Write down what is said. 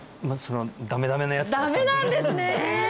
ダメダメなやつダメなんですね！